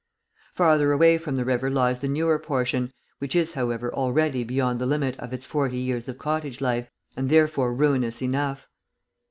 Farther away from the river lies the newer portion, which is, however, already beyond the limit of its forty years of cottage life, and therefore ruinous enough.